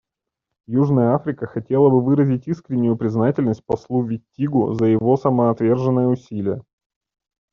Южная Африка хотела бы выразить искреннюю признательность послу Виттигу за его самоотверженные усилия.